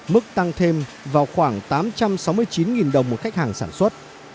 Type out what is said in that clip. mức tăng thêm vào khoảng tám trăm sáu mươi chín đồng một khách hàng sản xuất